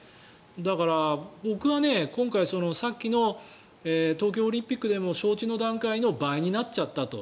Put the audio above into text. だから、僕は今回さっきの東京オリンピックでも招致の段階の倍になっちゃったと。